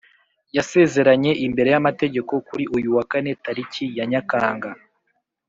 yasezeranye imbere y’amategeko kuri uyu wa kane tariki ya nyakanga